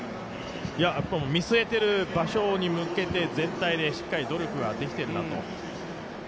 見据えている場所に向けて全体でしっかりと努力ができているなと。